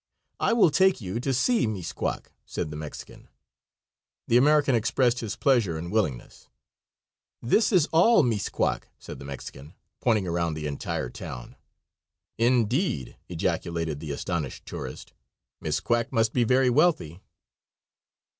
"I will take you to see Mis quack," said the Mexican. The American expressed his pleasure and willingness. "This is all Mis quack," said the Mexican, pointing around the entire town. "Indeed," ejaculated the astonished tourist; "Miss Quack must be very wealthy."